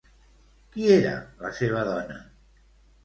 Qui era la seva dona?